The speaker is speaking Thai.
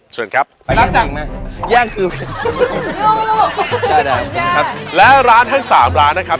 เชิญครับร้านต่อไปมิงไหมได้ค่ะแล้วร้านให้๓ร้านนะครับ